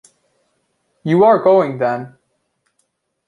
You are going, then?